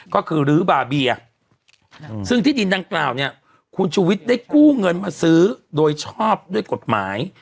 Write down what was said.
ก็คือลื้อบาเบียซึ่งที่ดินดังกล่าวเนี่ยคุณชูวิทย์ได้กู้เงินมาซื้อโดยชอบด้วยกฎหมาย